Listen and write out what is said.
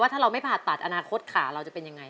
ถ้าเราไม่ผ่าตัดอนาคตขาเราจะเป็นยังไง